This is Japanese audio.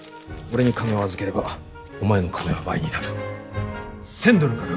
俺に金を預ければお前の金は倍になる。